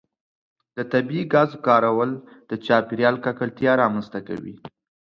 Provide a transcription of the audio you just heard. د طبیعي ګازو کارول د چاپیریال ککړتیا رامنځته کوي.